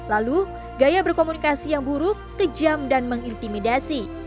lalu gaya berkomunikasi yang buruk kejam dan mengintimidasi